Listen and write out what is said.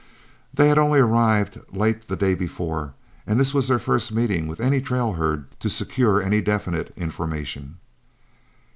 They had only arrived late the day before, and this was their first meeting with any trail herd to secure any definite information.